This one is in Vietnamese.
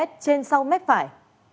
trên sau mếp phải